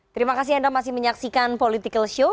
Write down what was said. terima kasih anda masih menyaksikan political show